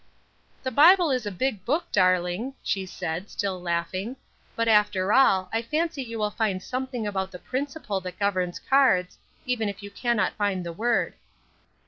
"The Bible is a big book, darling," she said, still laughing. "But, after all, I fancy you will find something about the principle that governs cards, even if you cannot find the word."